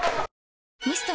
ミスト？